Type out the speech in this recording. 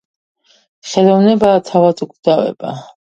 ხელოვნებაა თავად უკვდავება